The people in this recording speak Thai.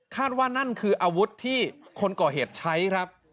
ว่านั่นคืออาวุธที่คนก่อเหตุใช้ครับ